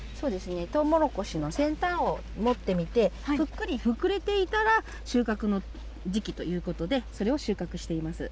トウモロコシの先端を持ってみて、ぷっくり膨れていたら収穫の時期ということで、それを収穫しています。